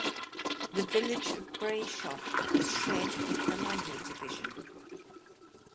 The village of Bray Shop is shared with the Lynher division.